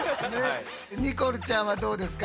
ニコルちゃんはどうですか？